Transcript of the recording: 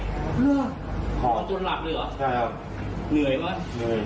ใช่ครับเหนื่อยไหมเหนื่อยเหนื่อยไม่ได้มีตามเสียบก่อน